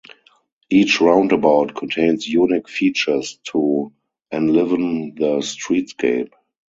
Each roundabout contains unique features to enliven the streetscape.